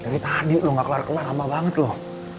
dari tadi lu gak kelar kelar lama banget loh